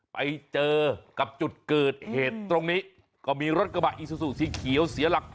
ไปเจอกับจุดเกิดเหตุตรงนี้ก็มีรถกระบะอีซูซูสีเขียวเสียหลัก